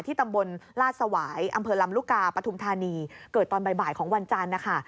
ตำบลลาดสวายอำเภอลำลูกกาปฐุมธานีเกิดตอนบ่ายของวันจันทร์นะคะ